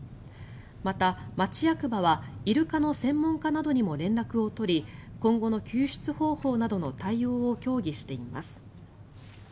また、町役場はイルカの専門家などにも連絡を取り今後の救出方法などの対応を協議しています。